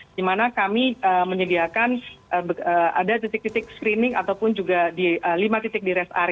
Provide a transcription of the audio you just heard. di mana kami menyediakan ada titik titik screening ataupun juga di lima titik di rest area